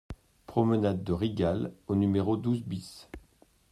Promenade de Rigal au numéro douze BIS